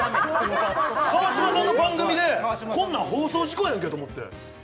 川島さんの番組で、こんなん放送事故やんけと思って。